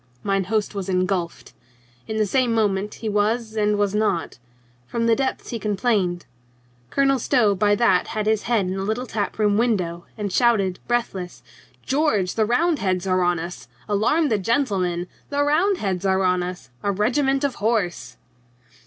Mine host was engulfed. In the same moment he was and was not. From the depths he complained. Colonel Stow by that had his head in at the little tap room window and shouted breathless : "George, the Roundheads are on us ! Alarm the gentlemen ! The Roundheads are on us ! A regiment of horse